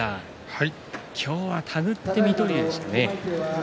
今日は手繰って水戸龍でしたね。